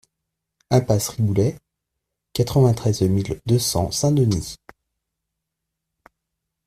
Impasse Riboulet, quatre-vingt-treize mille deux cents Saint-Denis